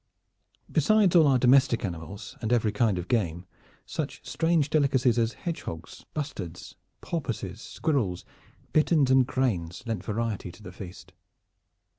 Besides all our domestic animals and every kind of game, such strange delicacies as hedgehogs, bustards, porpoises, squirrels, bitterns and cranes lent variety to the feast.